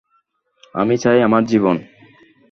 আমি চাই আমার জীবন।